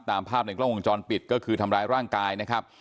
ตามภาพในกล้องวงจรปิดก็คือทำร้ายร่างกายนะครับ